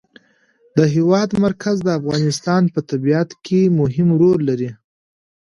د هېواد مرکز د افغانستان په طبیعت کې مهم رول لري.